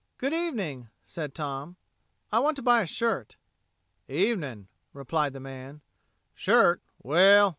"Good evening," said Tom. "I want to buy a shirt." "Evenin'," replied the man. "Shirt? Well....